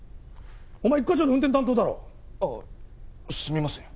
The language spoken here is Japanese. お前一課長の運転担当だろ？ああすみません。